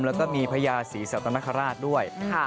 และมีพระยาศรีซัตนคราชด้วย